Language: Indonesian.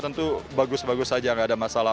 tentu bagus bagus saja nggak ada masalah